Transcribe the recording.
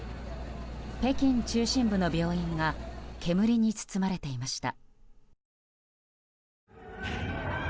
北京中心部の病院が煙に包まれていました。